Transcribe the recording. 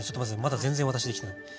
まだ全然私できてない。